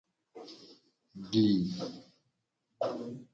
Gli.